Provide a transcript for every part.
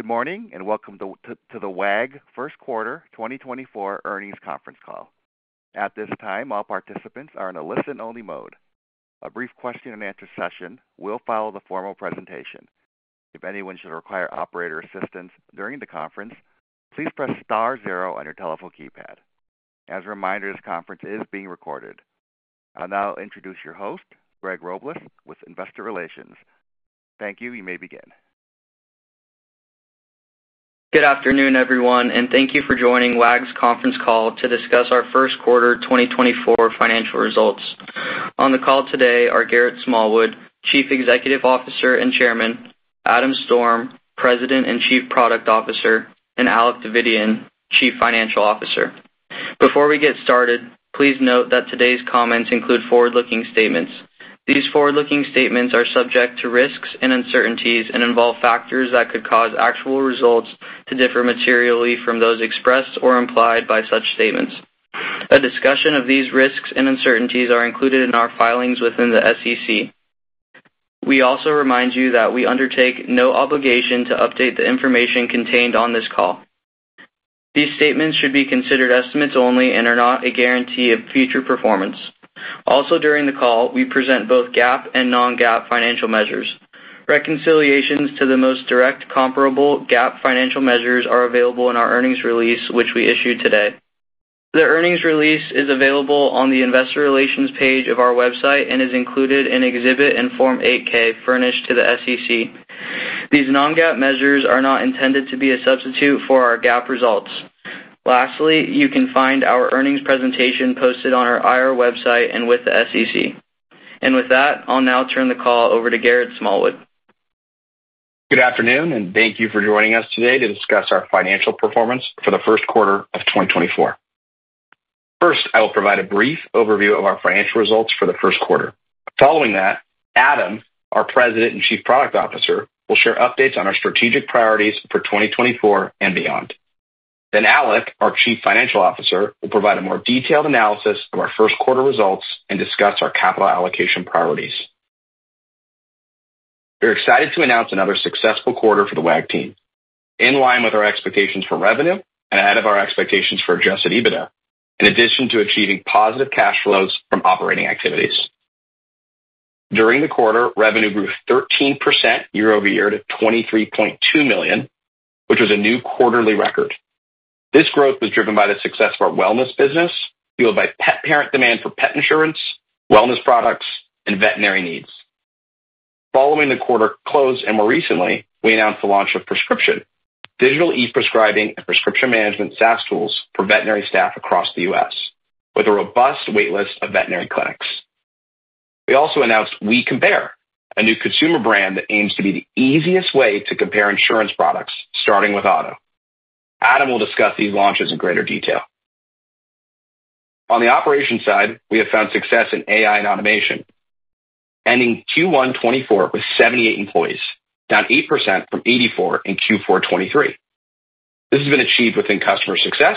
Good morning and welcome to the Wag! First Quarter 2024 Earnings Conference Call. At this time, all participants are in a listen-only mode. A brief question-and-answer session will follow the formal presentation. If anyone should require operator assistance during the conference, please press star zero on your telephone keypad. As a reminder, this conference is being recorded. I'll now introduce your host, Greg Robles, with Investor Relations. Thank you, you may begin. Good afternoon, everyone, and thank you for joining Wag!'s conference call to discuss our First Quarter 2024 Financial Results. On the call today are Garrett Smallwood, Chief Executive Officer and Chairman; Adam Storm, President and Chief Product Officer; and Alec Davidian, Chief Financial Officer. Before we get started, please note that today's comments include forward-looking statements. These forward-looking statements are subject to risks and uncertainties and involve factors that could cause actual results to differ materially from those expressed or implied by such statements. A discussion of these risks and uncertainties is included in our filings within the SEC. We also remind you that we undertake no obligation to update the information contained on this call. These statements should be considered estimates only and are not a guarantee of future performance. Also, during the call, we present both GAAP and non-GAAP financial measures. Reconciliations to the most direct comparable GAAP financial measures are available in our earnings release, which we issued today. The earnings release is available on the Investor Relations page of our website and is included in Exhibit and Form 8-K furnished to the SEC. These non-GAAP measures are not intended to be a substitute for our GAAP results. Lastly, you can find our earnings presentation posted on our IR website and with the SEC. With that, I'll now turn the call over to Garrett Smallwood. Good afternoon, and thank you for joining us today to discuss our financial performance for the first quarter of 2024. First, I will provide a brief overview of our financial results for the first quarter. Following that, Adam, our President and Chief Product Officer, will share updates on our strategic priorities for 2024 and beyond. Then Alec, our Chief Financial Officer, will provide a more detailed analysis of our first quarter results and discuss our capital allocation priorities. We're excited to announce another successful quarter for the Wag! team, in line with our expectations for revenue and ahead of our expectations for Adjusted EBITDA, in addition to achieving positive cash flows from operating activities. During the quarter, revenue grew 13% year-over-year to $23.2 million, which was a new quarterly record. This growth was driven by the success of our wellness business, fueled by pet parent demand for pet insurance, wellness products, and veterinary needs. Following the quarter close, and more recently, we announced the launch of Furscription, Digital E-Prescribing and Prescription Management SaaS tools for veterinary staff across the US, with a robust waitlist of veterinary clinics. We also announced WeCompare, a new consumer brand that aims to be the easiest way to compare insurance products, starting with auto. Adam will discuss these launches in greater detail. On the operations side, we have found success in AI and automation, ending Q1 2024 with 78 employees, down 8% from 84 in Q4 2023. This has been achieved within customer success,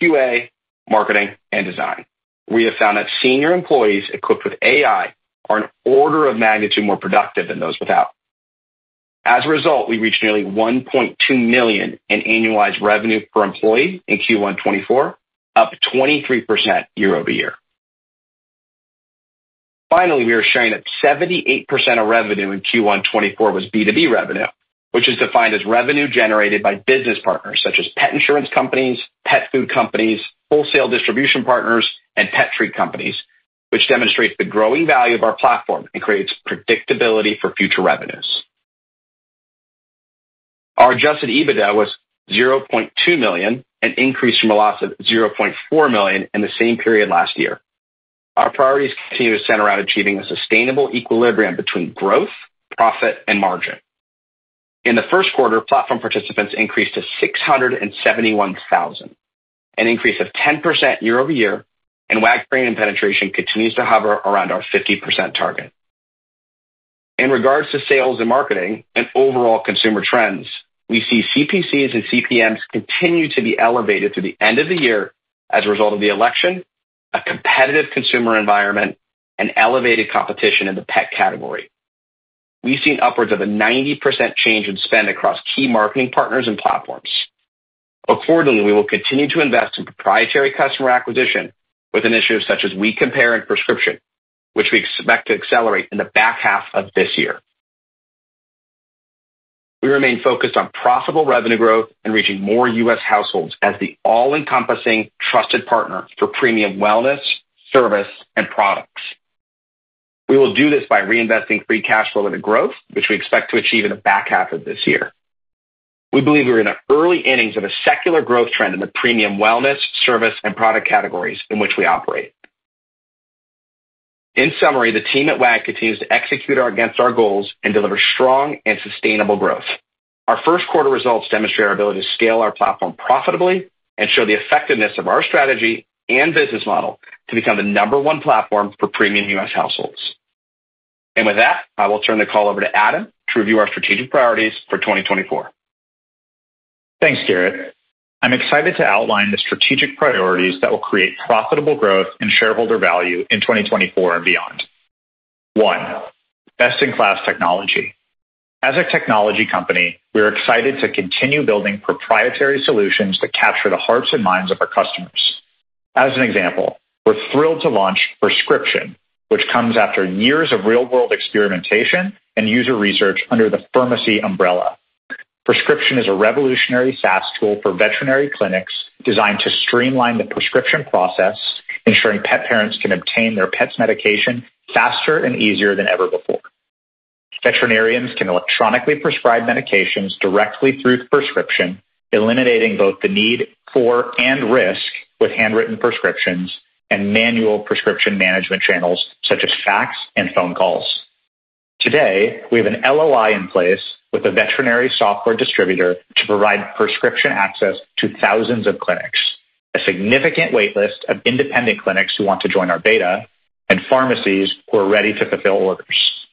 QA, marketing, and design. We have found that senior employees equipped with AI are an order of magnitude more productive than those without. As a result, we reached nearly $1.2 million in annualized revenue per employee in Q1 2024, up 23% year-over-year. Finally, we are showing that 78% of revenue in Q1 2024 was B2B revenue, which is defined as revenue generated by business partners such as pet insurance companies, pet food companies, wholesale distribution partners, and pet treat companies, which demonstrates the growing value of our platform and creates predictability for future revenues. Our adjusted EBITDA was $0.2 million, an increase from a loss of $0.4 million in the same period last year. Our priorities continue to center around achieving a sustainable equilibrium between growth, profit, and margin. In the 1st Quarter, platform participants increased to 671,000, an increase of 10% year-over-year, and Wag! Premium and penetration continues to hover around our 50% target. In regards to sales and marketing and overall consumer trends, we see CPCs and CPMs continue to be elevated through the end of the year as a result of the election, a competitive consumer environment, and elevated competition in the pet category. We've seen upwards of a 90% change in spend across key marketing partners and platforms. Accordingly, we will continue to invest in proprietary customer acquisition with initiatives such as WeCompare and Furscription, which we expect to accelerate in the back half of this year. We remain focused on profitable revenue growth and reaching more US households as the all-encompassing trusted partner for premium wellness, service, and products. We will do this by reinvesting free cash flow into growth, which we expect to achieve in the back half of this year. We believe we're in the early innings of a secular growth trend in the premium wellness, service, and product categories in which we operate. In summary, the team at Wag! continues to execute against our goals and deliver strong and sustainable growth. Our first quarter results demonstrate our ability to scale our platform profitably and show the effectiveness of our strategy and business model to become the number one platform for premium U.S. households. With that, I will turn the call over to Adam to review our strategic priorities for 2024. Thanks, Garrett. I'm excited to outline the strategic priorities that will create profitable growth and shareholder value in 2024 and beyond. One, best-in-class technology. As a technology company, we are excited to continue building proprietary solutions that capture the hearts and minds of our customers. As an example, we're thrilled to launch Furscription, which comes after years of real-world experimentation and user research under the Furmacy umbrella. Furscription is a revolutionary SaaS tool for veterinary clinics designed to streamline the prescription process, ensuring pet parents can obtain their pets' medication faster and easier than ever before. Veterinarians can electronically prescribe medications directly through the Furscription, eliminating both the need for and risk with handwritten prescriptions and manual prescription management channels such as fax and phone calls. Today, we have an LOI in place with a veterinary software distributor to provide prescription access to thousands of clinics, a significant waitlist of independent clinics who want to join our beta, and pharmacies who are ready to fulfill orders.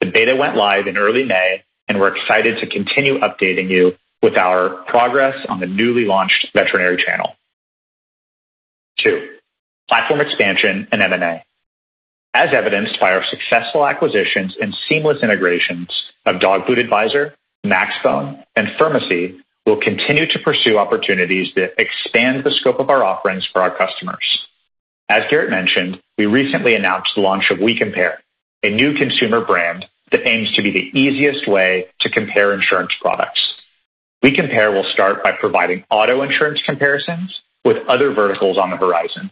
The beta went live in early May, and we're excited to continue updating you with our progress on the newly launched veterinary channel. Two, platform expansion and M&A. As evidenced by our successful acquisitions and seamless integrations of Dog Food Advisor, Maxbone, and Furmacy, we'll continue to pursue opportunities that expand the scope of our offerings for our customers. As Garrett mentioned, we recently announced the launch of WeCompare, a new consumer brand that aims to be the easiest way to compare insurance products. WeCompare will start by providing auto insurance comparisons with other verticals on the horizon.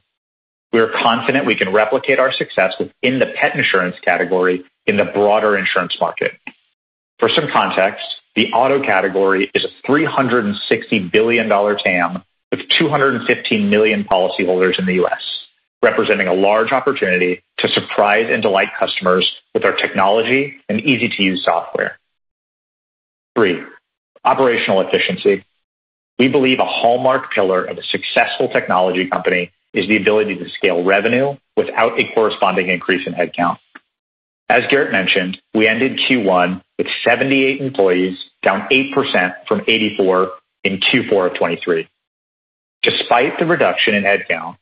We are confident we can replicate our success within the pet insurance category in the broader insurance market. For some context, the auto category is a $360 billion TAM with 215 million policyholders in the U.S., representing a large opportunity to surprise and delight customers with our technology and easy-to-use software. Three, operational efficiency. We believe a hallmark pillar of a successful technology company is the ability to scale revenue without a corresponding increase in headcount. As Garrett mentioned, we ended Q1 with 78 employees, down 8% from 84 in Q4 of 2023. Despite the reduction in headcount,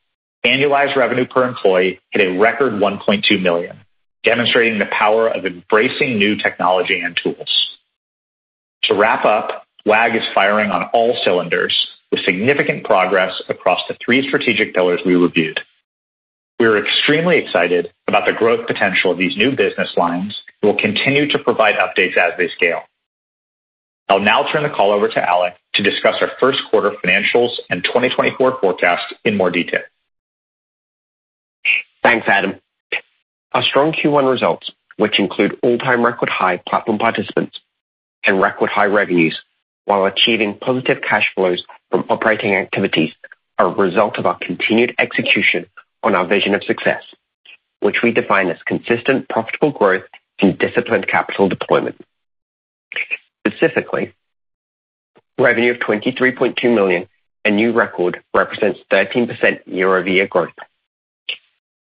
annualized revenue per employee hit a record $1.2 million, demonstrating the power of embracing new technology and tools. To wrap up, Wag! is firing on all cylinders with significant progress across the three strategic pillars we reviewed. We are extremely excited about the growth potential of these new business lines and will continue to provide updates as they scale. I'll now turn the call over to Alec to discuss our first quarter financials and 2024 forecast in more detail. Thanks, Adam. Our strong Q1 results, which include all-time record high platform participants and record high revenues while achieving positive cash flows from operating activities, are a result of our continued execution on our vision of success, which we define as consistent profitable growth and disciplined capital deployment. Specifically, revenue of $23.2 million and new record represents 13% year-over-year growth.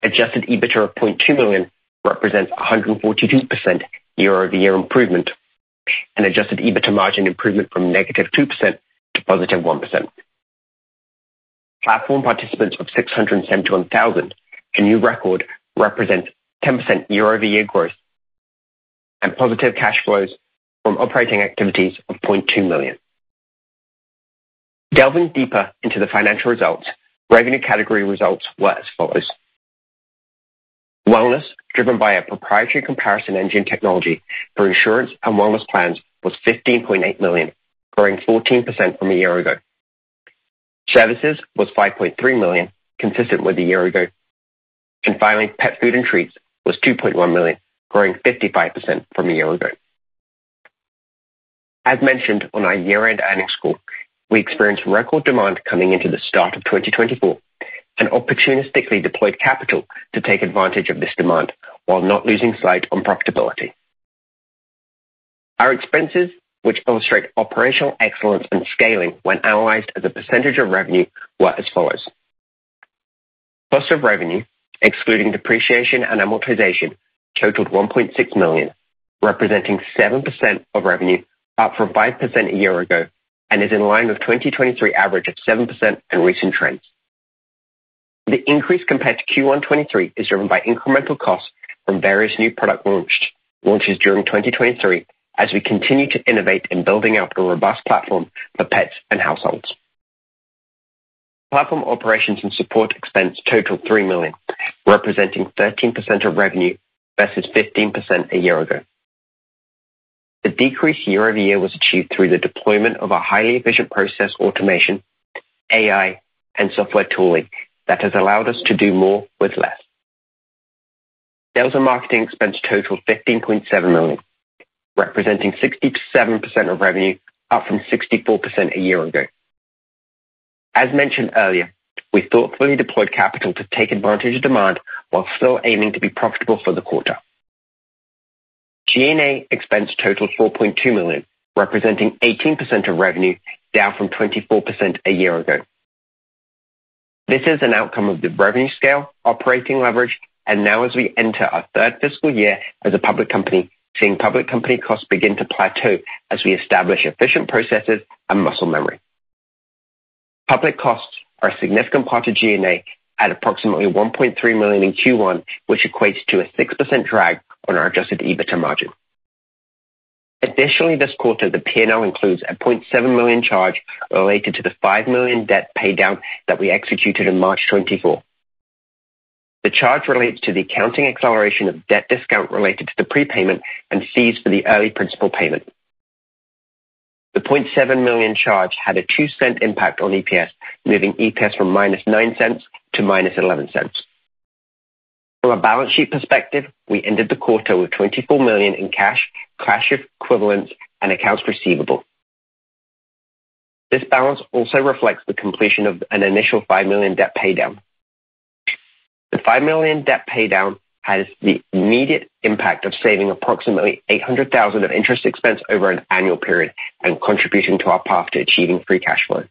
Adjusted EBITDA of $0.2 million represents 142% year-over-year improvement, an adjusted EBITDA margin improvement from -2% to +1%. Platform participants of 671,000 and new record represents 10% year-over-year growth and positive cash flows from operating activities of $0.2 million. Delving deeper into the financial results, revenue category results were as follows. Wellness, driven by a proprietary comparison engine technology for insurance and wellness plans, was $15.8 million, growing 14% from a year ago. Services was $5.3 million, consistent with a year ago. Finally, pet food and treats was $2.1 million, growing 55% from a year ago. As mentioned on our year-end earnings call, we experienced record demand coming into the start of 2024 and opportunistically deployed capital to take advantage of this demand while not losing sight on profitability. Our expenses, which illustrate operational excellence and scaling when analyzed as a percentage of revenue, were as follows. Cost of revenue, excluding depreciation and amortization, totaled $1.6 million, representing 7% of revenue, up from 5% a year ago, and is in line with the 2023 average of 7% and recent trends. The increase compared to Q1 2023 is driven by incremental costs from various new product launches during 2023 as we continue to innovate and build out a robust platform for pets and households. Platform operations and support expense totaled $3 million, representing 13% of revenue versus 15% a year ago. The decrease year-over-year was achieved through the deployment of our highly efficient process automation, AI, and software tooling that has allowed us to do more with less. Sales and marketing expense totaled $15.7 million, representing 67% of revenue, up from 64% a year ago. As mentioned earlier, we thoughtfully deployed capital to take advantage of demand while still aiming to be profitable for the quarter. G&A expense totaled $4.2 million, representing 18% of revenue, down from 24% a year ago. This is an outcome of the revenue scale, operating leverage, and now as we enter our third fiscal year as a public company, seeing public company costs begin to plateau as we establish efficient processes and muscle memory. Public costs are a significant part of G&A, at approximately $1.3 million in Q1, which equates to a 6% drag on our Adjusted EBITDA margin. Additionally, this quarter, the P&L includes a $0.7 million charge related to the $5 million debt paydown that we executed in March 2024. The charge relates to the accounting acceleration of debt discount related to the prepayment and fees for the early principal payment. The $0.7 million charge had a $0.02 impact on EPS, moving EPS from -0.09 to -0.11. From a balance sheet perspective, we ended the quarter with $24 million in cash, cash equivalents, and accounts receivable. This balance also reflects the completion of an initial $5 million debt paydown. The $5 million debt paydown had the immediate impact of saving approximately $800,000 of interest expense over an annual period and contributing to our path to achieving Free Cash Flow.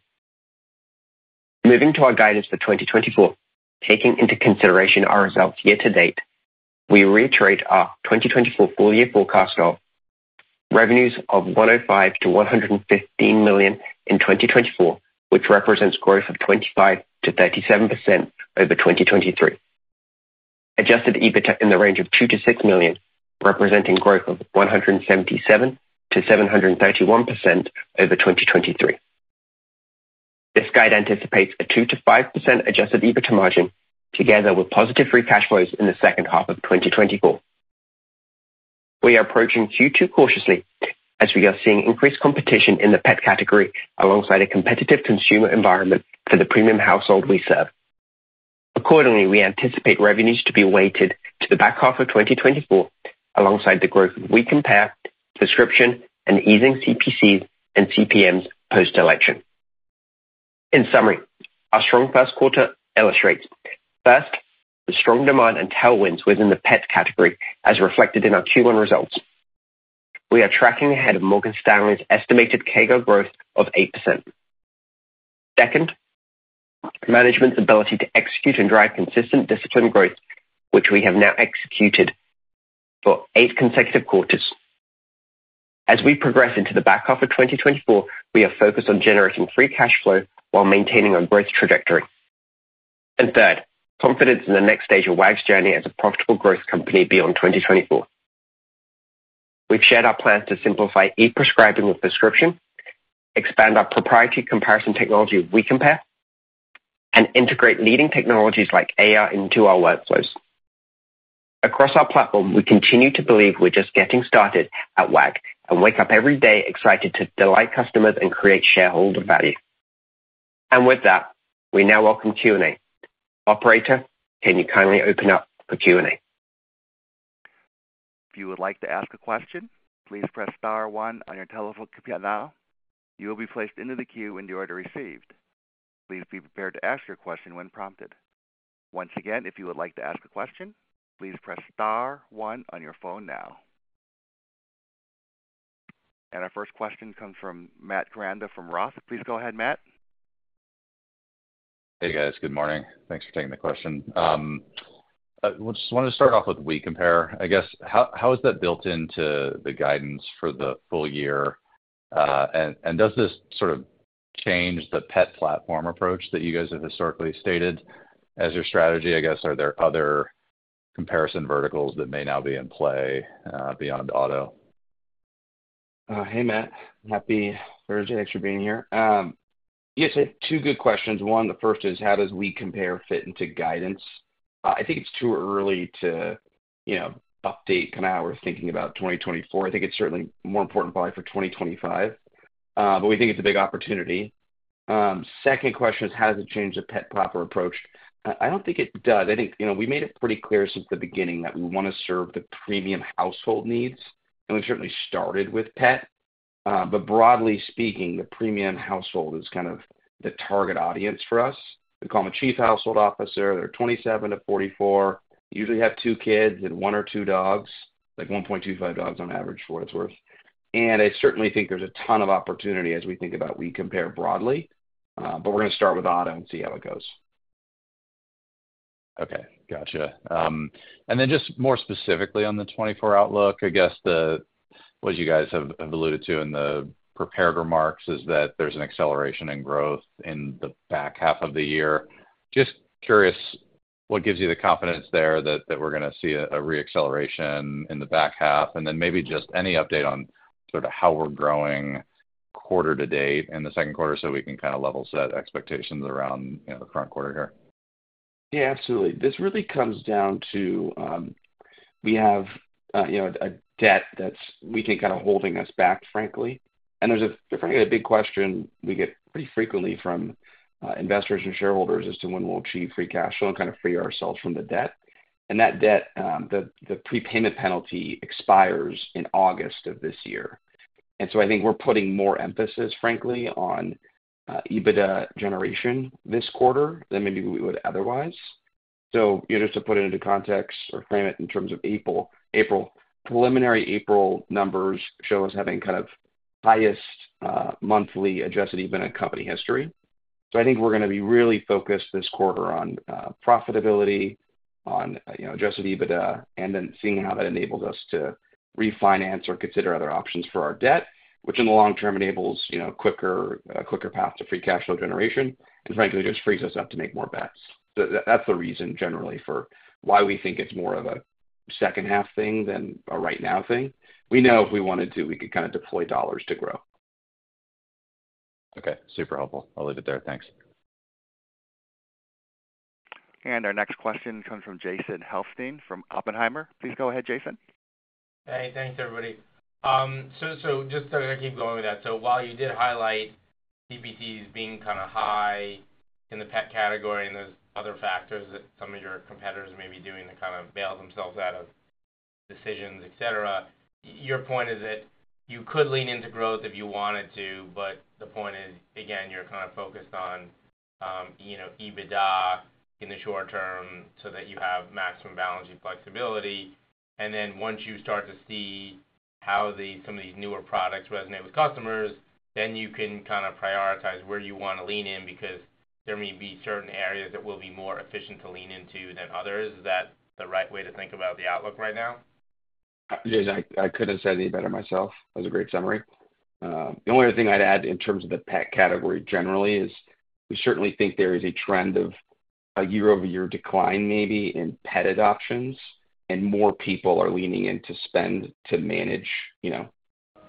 Moving to our guidance for 2024, taking into consideration our results year to date, we reiterate our 2024 full-year forecast of revenues of $105-$115 million in 2024, which represents growth of 25%-37% over 2023. Adjusted EBITDA in the range of $2-$6 million, representing growth of 177%-731% over 2023. This guide anticipates a 2%-5% adjusted EBITDA margin together with positive free cash flows in the second half of 2024. We are approaching Q2 cautiously as we are seeing increased competition in the pet category alongside a competitive consumer environment for the premium household we serve. Accordingly, we anticipate revenues to be weighted to the back half of 2024 alongside the growth of WeCompare, Furscription, and easing CPCs and CPMs post-election. In summary, our strong first quarter illustrates, first, the strong demand and tailwinds within the pet category as reflected in our Q1 results. We are tracking ahead of Morgan Stanley's estimated CAGR growth of 8%. Second, management's ability to execute and drive consistent disciplined growth, which we have now executed for eight consecutive quarters. As we progress into the back half of 2024, we are focused on generating free cash flow while maintaining our growth trajectory. And third, confidence in the next stage of Wag!'s journey as a profitable growth company beyond 2024. We've shared our plans to simplify e-prescribing with Furscription, expand our proprietary comparison technology of WeCompare, and integrate leading technologies like AR into our workflows. Across our platform, we continue to believe we're just getting started at Wag! and wake up every day excited to delight customers and create shareholder value. With that, we now welcome Q&A. Operator, can you kindly open up for Q&A? If you would like to ask a question, please press star one on your telephone now. You will be placed into the queue in the order received. Please be prepared to ask your question when prompted. Once again, if you would like to ask a question, please press star one on your phone now. Our first question comes from Matt Koranda from Roth MKM. Please go ahead, Matt. Hey, guys. Good morning. Thanks for taking the question. I just wanted to start off with WeCompare. I guess, how is that built into the guidance for the full year? And does this sort of change the pet platform approach that you guys have historically stated as your strategy? I guess, are there other comparison verticals that may now be in play beyond auto? Hey, Matt. Happy Thursday. Thanks for being here. Yes, I have two good questions. One, the first is, how does WeCompare fit into guidance? I think it's too early to update kind of how we're thinking about 2024. I think it's certainly more important probably for 2025, but we think it's a big opportunity. Second question is, how does it change the pet parent approach? I don't think it does. I think we made it pretty clear since the beginning that we want to serve the premium household needs, and we've certainly started with pet. But broadly speaking, the premium household is kind of the target audience for us. We call them a chief household officer. They're 27-44, usually have two kids and one or two dogs, like 1.25 dogs on average for what it's worth. I certainly think there's a ton of opportunity as we think about WeCompare broadly. We're going to start with auto and see how it goes. Okay. Gotcha. And then just more specifically on the 2024 outlook, I guess what you guys have alluded to in the prepared remarks is that there's an acceleration in growth in the back half of the year. Just curious, what gives you the confidence there that we're going to see a re-acceleration in the back half? And then maybe just any update on sort of how we're growing quarter to date in the second quarter so we can kind of level set expectations around the front quarter here. Yeah, absolutely. This really comes down to we have a debt that we think kind of holding us back, frankly. And there's a big question we get pretty frequently from investors and shareholders as to when we'll achieve Free Cash Flow and kind of free ourselves from the debt. And that debt, the prepayment penalty expires in August of this year. And so I think we're putting more emphasis, frankly, on EBITDA generation this quarter than maybe we would otherwise. So just to put it into context or frame it in terms of April, preliminary April numbers show us having kind of highest monthly Adjusted EBITDA in company history. So I think we're going to be really focused this quarter on profitability, on Adjusted EBITDA, and then seeing how that enables us to refinance or consider other options for our debt, which in the long term enables a quicker path to Free Cash Flow generation and, frankly, just frees us up to make more bets. So that's the reason generally for why we think it's more of a second-half thing than a right now thing. We know if we wanted to, we could kind of deploy dollars to grow. Okay. Super helpful. I'll leave it there. Thanks. Our next question comes from Jason Helfstein from Oppenheimer. Please go ahead, Jason. Hey. Thanks, everybody. So just to keep going with that, so while you did highlight CPCs being kind of high in the pet category and those other factors that some of your competitors may be doing to kind of bail themselves out of decisions, etc., your point is that you could lean into growth if you wanted to. But the point is, again, you're kind of focused on EBITDA in the short term so that you have maximum balance sheet flexibility. And then once you start to see how some of these newer products resonate with customers, then you can kind of prioritize where you want to lean in because there may be certain areas that will be more efficient to lean into than others. Is that the right way to think about the outlook right now? Yes. I couldn't have said any better myself. That was a great summary. The only other thing I'd add in terms of the pet category generally is we certainly think there is a trend of a year-over-year decline maybe in pet adoptions, and more people are leaning in to spend to manage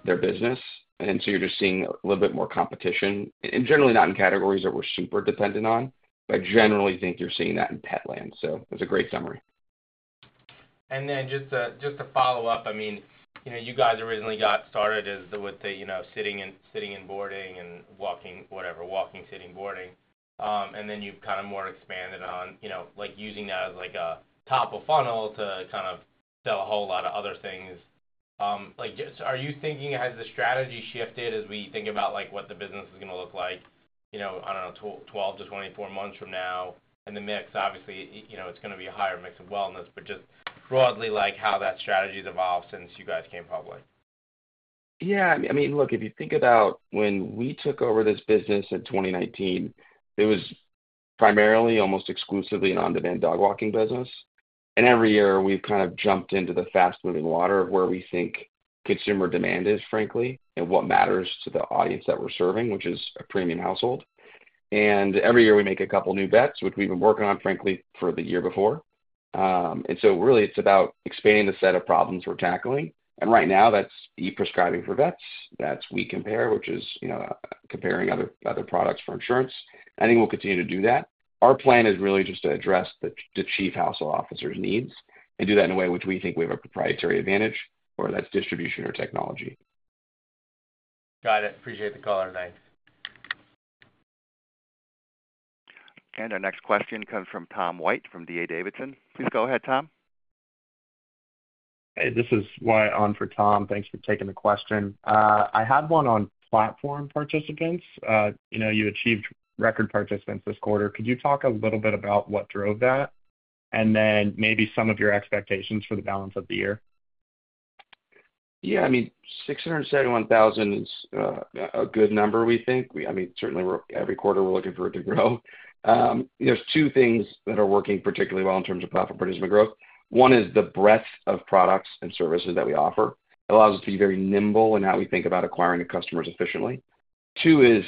their business. And so you're just seeing a little bit more competition, and generally not in categories that we're super dependent on. But I generally think you're seeing that in pet land. So it was a great summary. And then just to follow up, I mean, you guys originally got started with the sitting and boarding and walking, whatever, walking, sitting, boarding. And then you've kind of more expanded on using that as a top of funnel to kind of sell a whole lot of other things. Are you thinking, has the strategy shifted as we think about what the business is going to look like, I don't know, 12-24 months from now in the mix? Obviously, it's going to be a higher mix of wellness. But just broadly, how that strategy has evolved since you guys came public? Yeah. I mean, look, if you think about when we took over this business in 2019, it was primarily, almost exclusively, an on-demand dog walking business. And every year, we've kind of jumped into the fast-moving water of where we think consumer demand is, frankly, and what matters to the audience that we're serving, which is a premium household. And every year, we make a couple of new bets, which we've been working on, frankly, for the year before. And so really, it's about expanding the set of problems we're tackling. And right now, that's e-prescribing for vets. That's WeCompare, which is comparing other products for insurance. I think we'll continue to do that. Our plan is really just to address the chief household officer's needs and do that in a way which we think we have a proprietary advantage, whether that's distribution or technology. Got it. Appreciate the caller, Nate. Our next question comes from Tom White from D.A. Davidson. Please go ahead, Tom. Hey. This is Wyatt on for Tom. Thanks for taking the question. I had one on Platform Participants. You achieved record Platform Participants this quarter. Could you talk a little bit about what drove that and then maybe some of your expectations for the balance of the year? Yeah. I mean, 671,000 is a good number, we think. I mean, certainly, every quarter, we're looking for it to grow. There's two things that are working particularly well in terms of product portfolio growth. One is the breadth of products and services that we offer. It allows us to be very nimble in how we think about acquiring new customers efficiently. Two is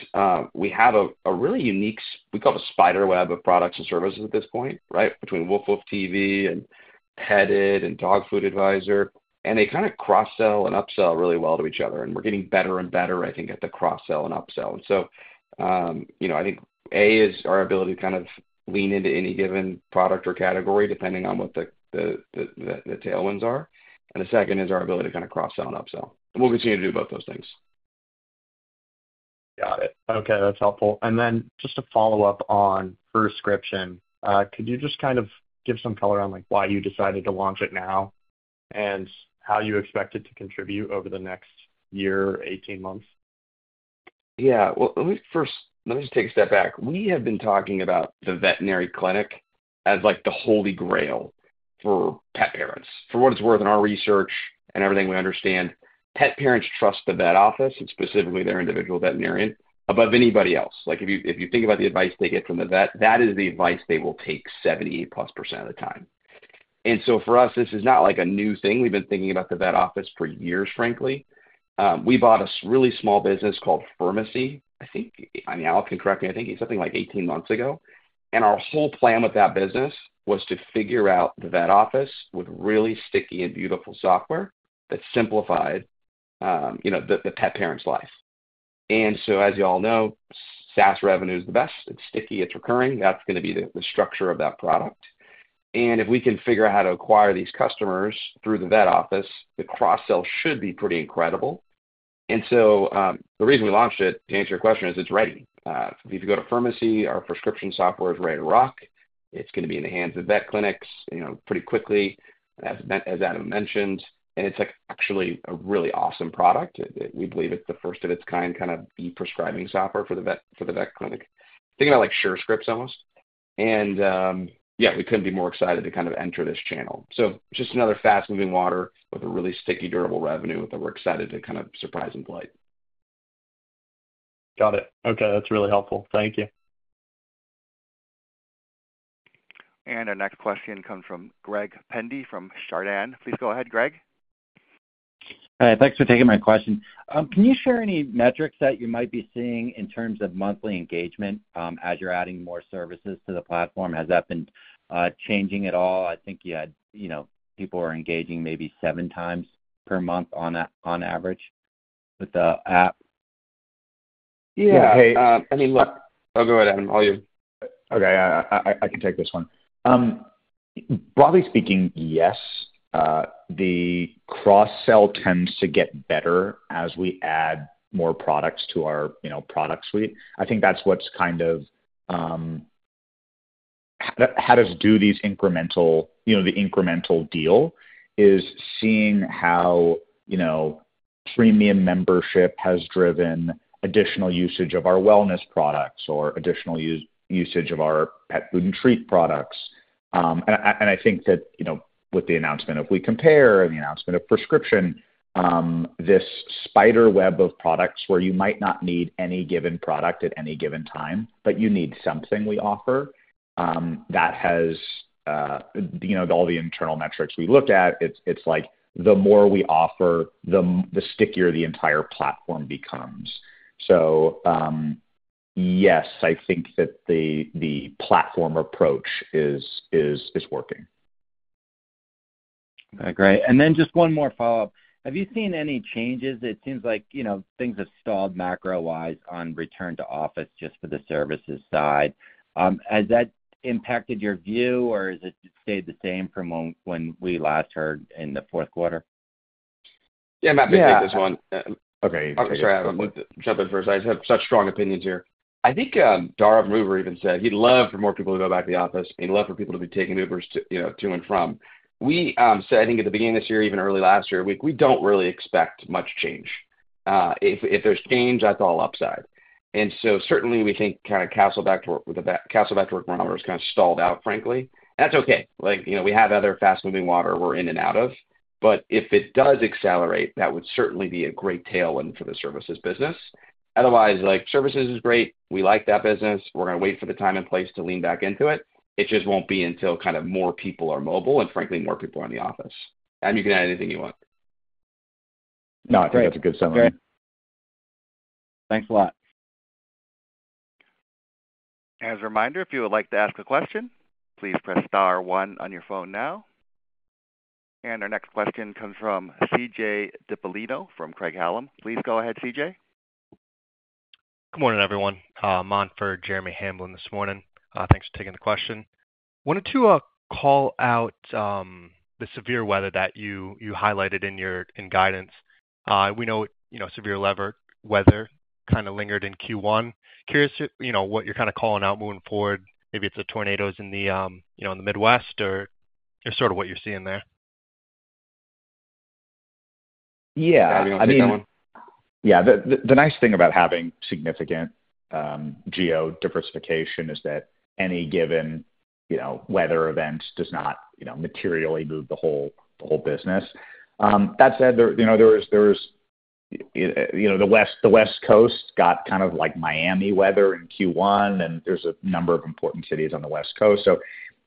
we have a really unique we call it a spider web of products and services at this point, right, between WoofWoofTV and Petted and Dog Food Advisor. And they kind of cross-sell and upsell really well to each other. And we're getting better and better, I think, at the cross-sell and upsell. And so I think A is our ability to kind of lean into any given product or category depending on what the tailwinds are. The second is our ability to kind of cross-sell and upsell. We'll continue to do both those things. Got it. Okay. That's helpful. And then just to follow up on Furscription, could you just kind of give some color on why you decided to launch it now and how you expect it to contribute over the next year, 18 months? Yeah. Well, first, let me just take a step back. We have been talking about the veterinary clinic as the holy grail for pet parents. For what it's worth in our research and everything we understand, pet parents trust the vet office and specifically their individual veterinarian above anybody else. If you think about the advice they get from the vet, that is the advice they will take 78%+ of the time. And so for us, this is not a new thing. We've been thinking about the vet office for years, frankly. We bought a really small business called Furmacy, I mean, Alec can correct me. I think it's something like 18 months ago. And our whole plan with that business was to figure out the vet office with really sticky and beautiful software that simplified the pet parent's life. And so as you all know, SaaS revenue is the best. It's sticky. It's recurring. That's going to be the structure of that product. And if we can figure out how to acquire these customers through the vet office, the cross-sell should be pretty incredible. And so the reason we launched it, to answer your question, is it's ready. If you go to Furmacy, our prescription software is ready to rock. It's going to be in the hands of vet clinics pretty quickly, as Adam mentioned. And it's actually a really awesome product. We believe it's the first of its kind kind of e-prescribing software for the vet clinic, thinking about Surescripts almost. And yeah, we couldn't be more excited to kind of enter this channel. So just another fast-moving water with a really sticky, durable revenue that we're excited to kind of surprise and delight. Got it. Okay. That's really helpful. Thank you. Our next question comes from Greg Pendy from Chardan. Please go ahead, Greg. Hi. Thanks for taking my question. Can you share any metrics that you might be seeing in terms of monthly engagement as you're adding more services to the platform? Has that been changing at all? I think you had people engaging maybe seven times per month on average with the app. Yeah. Hey. I mean, look, I'll go ahead, Adam. I'll hear you. Okay. I can take this one. Broadly speaking, yes. The cross-sell tends to get better as we add more products to our product suite. I think that's what's kind of how we do these incremental deals is seeing how premium membership has driven additional usage of our wellness products or additional usage of our pet food and treat products. And I think that with the announcement of WeCompare and the announcement of Furscription, this spider web of products where you might not need any given product at any given time, but you need something we offer, that has all the internal metrics we looked at, it's like the more we offer, the stickier the entire platform becomes. So yes, I think that the platform approach is working. Okay. Great. And then just one more follow-up. Have you seen any changes? It seems like things have stalled macro-wise on return to office just for the services side. Has that impacted your view, or has it stayed the same from when we last heard in the fourth quarter? Yeah. Matt, maybe take this one. Yeah. Okay. Sorry. I'm jumping first. I just have such strong opinions here. I think Dara Khosrowshahi even said he'd love for more people to go back to the office. He'd love for people to be taking Ubers to and from. We said, I think, at the beginning of this year, even early last year, we don't really expect much change. If there's change, that's all upside. And so certainly, we think kind of Kastle back to work with the Kastle back to work barometer has kind of stalled out, frankly. And that's okay. We have other fast-moving water we're in and out of. But if it does accelerate, that would certainly be a great tailwind for the services business. Otherwise, services is great. We like that business. We're going to wait for the time and place to lean back into it. It just won't be until kind of more people are mobile and, frankly, more people are in the office. Adam, you can add anything you want. No. I think that's a good summary. Thanks a lot. As a reminder, if you would like to ask a question, please press star one on your phone now. And our next question comes from C.J. Dipollino from Craig-Hallum. Please go ahead, CJ. Good morning, everyone. I'm on for Jeremy Hamblin this morning. Thanks for taking the question. Wanted to call out the severe weather that you highlighted in guidance. We know severe weather kind of lingered in Q1. Curious what you're kind of calling out moving forward? Maybe it's the tornadoes in the Midwest or sort of what you're seeing there? Yeah. I mean. Yeah. The nice thing about having significant geodiversification is that any given weather event does not materially move the whole business. That said, there was the West Coast got kind of Miami weather in Q1, and there's a number of important cities on the West Coast. So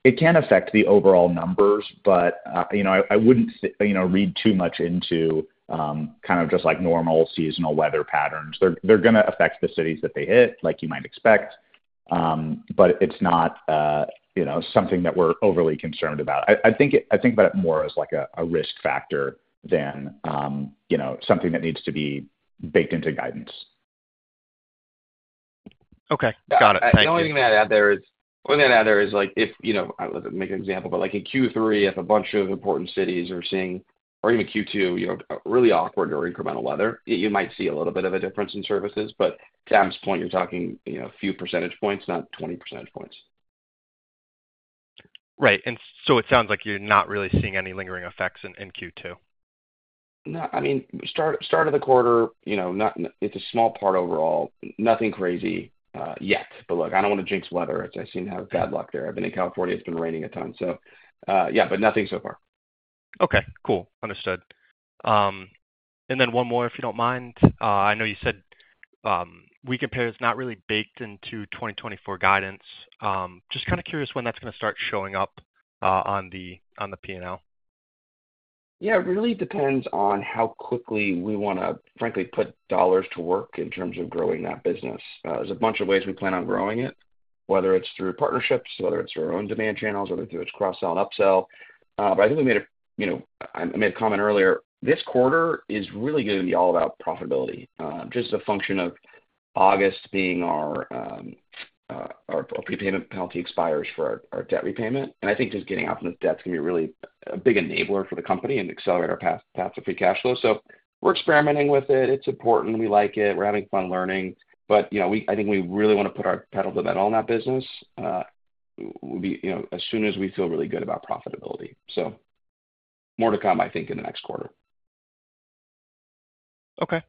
it can affect the overall numbers, but I wouldn't read too much into kind of just normal seasonal weather patterns. They're going to affect the cities that they hit like you might expect, but it's not something that we're overly concerned about. I think about it more as a risk factor than something that needs to be baked into guidance. Okay. Got it. Thank you. The only thing I'd add there is if I wasn't making an example, but in Q3, if a bunch of important cities are seeing or even Q2, really awkward or incremental weather, you might see a little bit of a difference in services. But to Adam's point, you're talking a few percentage points, not 20 percentage points. Right. And so it sounds like you're not really seeing any lingering effects in Q2. No. I mean, start of the quarter, it's a small part overall. Nothing crazy yet. But look, I don't want to jinx weather. I seem to have bad luck there. I've been in California. It's been raining a ton. So yeah, but nothing so far. Okay. Cool. Understood. And then one more, if you don't mind. I know you said WeCompare is not really baked into 2024 guidance. Just kind of curious when that's going to start showing up on the P&L. Yeah. It really depends on how quickly we want to, frankly, put dollars to work in terms of growing that business. There's a bunch of ways we plan on growing it, whether it's through partnerships, whether it's through our own demand channels, whether it's through its cross-sell and upsell. But I think I made a comment earlier. This quarter is really going to be all about profitability, just as a function of August being our prepayment penalty expires for our debt repayment. And I think just getting off from this debt is going to be really a big enabler for the company and accelerate our path to Free Cash Flow. So we're experimenting with it. It's important. We like it. We're having fun learning. But I think we really want to put our pedal to the metal in that business as soon as we feel really good about profitability. So more to come, I think, in the next quarter. Okay.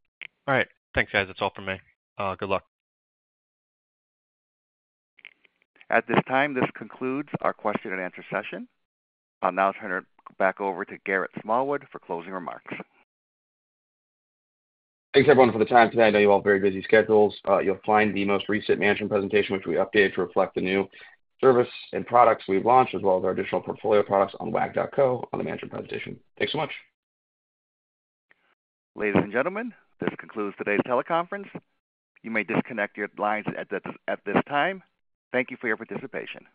All right. Thanks, guys. That's all from me. Good luck. At this time, this concludes our question-and-answer session. I'll now turn it back over to Garrett Smallwood for closing remarks. Thanks, everyone, for the time today. I know you all have very busy schedules. You'll find the most recent management presentation, which we updated to reflect the new service and products we've launched, as well as our additional portfolio products on wag.co on the management presentation. Thanks so much. Ladies and gentlemen, this concludes today's teleconference. You may disconnect your lines at this time. Thank you for your participation.